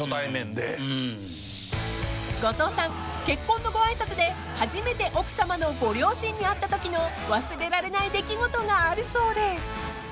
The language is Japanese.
結婚のご挨拶で初めて奥さまのご両親に会ったときの忘れられない出来事があるそうで］